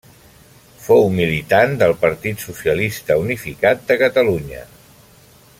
Fou militant del Partit Socialista Unificat de Catalunya.